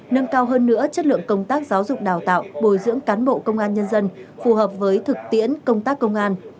nâng cao hơn nữa chất lượng công tác giáo dục đào tạo bồi dưỡng cán bộ công an nhân dân phù hợp với thực tiễn công tác công an